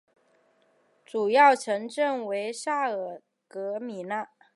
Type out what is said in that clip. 主要城镇为萨尔格米讷。